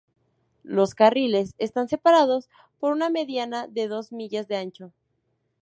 Los carriles están separados por una "mediana" de dos millas de ancho.